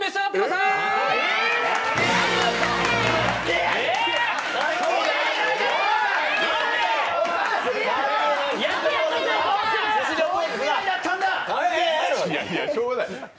いやいや、しょうがない。